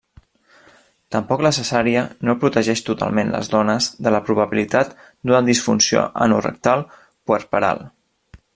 Tampoc la cesària no protegeix totalment les dones de la probabilitat d'una disfunció anorectal puerperal.